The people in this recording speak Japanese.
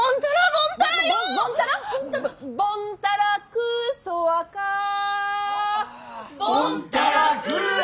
ボンタラクーソワカー。